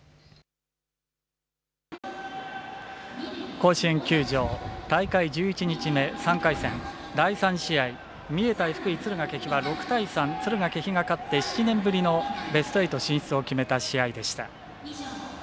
甲子園球場大会１１日目、３回戦第３試合三重対福井・敦賀気比は６対３、敦賀気比が勝って７年ぶりのベスト８進出を決めた試合でした。